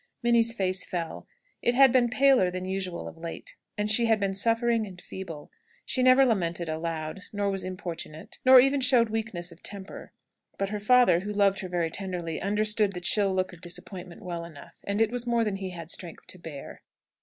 Minnie's face fell. It had been paler than usual of late, and she had been suffering and feeble. She never lamented aloud, nor was importunate, nor even showed weakness of temper; but her father, who loved her very tenderly, understood the chill look of disappointment well enough, and it was more than he had strength to bear.